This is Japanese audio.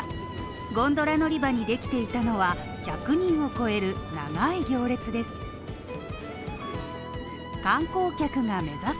ゴンドラ乗り場にできていたのは、１００人を超える、長い行列です。